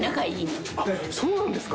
そうなんですか？